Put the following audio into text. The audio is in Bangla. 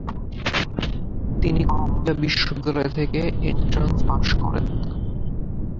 তিনি কলম্বিয়া বিশ্ববিদ্যালয় থেকে এন্ট্রান্স পাশ করেন।